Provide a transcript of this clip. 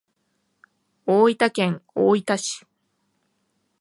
大分県大分市